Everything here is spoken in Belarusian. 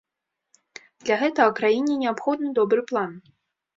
Для гэтага краіне неабходны добры план.